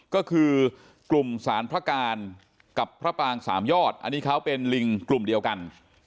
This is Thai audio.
ก็คือกลุ่มสารพระการกับพระปางสามยอดอันนี้เขาเป็นลิงกลุ่มเดียวกัน